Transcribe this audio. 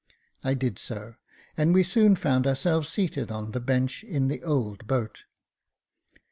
I did so, and we soon found ourselves seated on the bench in the old boat.